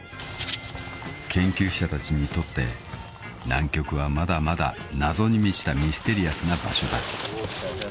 ［研究者たちにとって南極はまだまだ謎に満ちたミステリアスな場所だ］